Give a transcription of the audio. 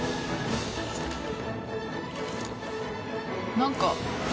何か。